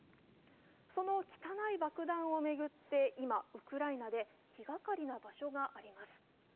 その汚い爆弾を巡って今ウクライナで気がかりな場所があります。